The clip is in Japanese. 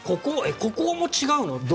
ここが違うの？っていう。